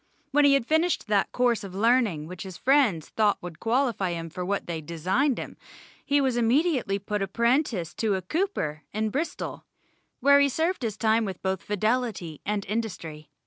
When he had finished that course of learning which his friends thought would qualify him for what they designed him, he was immediately put apprentice to a cooper in Bristol, where he served his time with both fidelity and industry.